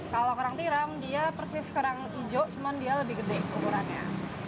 kalau kerang tiram dia persis kerang hijau cuman dia lebih gede ukurannya